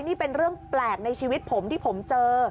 นี่เป็นเรื่องแปลกในชีวิตผมที่ผมเจอ